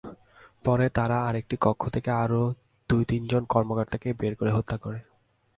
পরে তারা আরেকটি কক্ষ থেকে আরও দু-তিনজন কর্মকর্তাকে বের করে হত্যা করে।